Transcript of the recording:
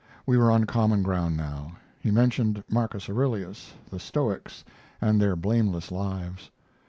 We were on common ground now. He mentioned Marcus Aurelius, the Stoics, and their blameless lives.